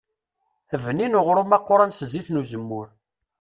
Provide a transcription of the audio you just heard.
Bnin uɣrum aquran s zzit n uzemmur.